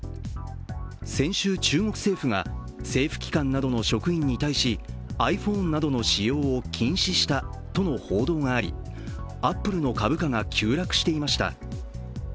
先週、中国政府が政府機関などの職員に対しｉＰｈｏｎｅなどの使用を禁止したとの報道がありアップルの株価が急落していました。